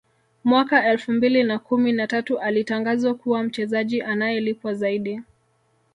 Mwaka elfu mbili na kumi na tatu alitangazwa kuwa mchezaji anayelipwa zaidi